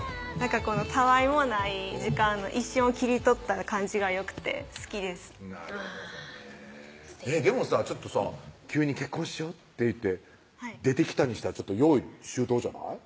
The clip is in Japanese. このたあいもない時間の一瞬を切り取った感じがよくて好きですなるほどねでもさちょっとさ急に「結婚しよう」って言って出てきたにしては用意周到じゃない？